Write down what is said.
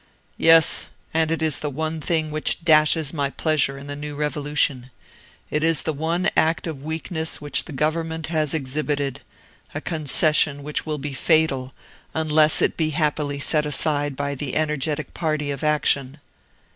"Yes; and it is the one thing which dashes my pleasure in the new revolution. It is the one act of weakness which the Government has exhibited; a concession which will be fatal unless it be happily set aside by the energetic party of action."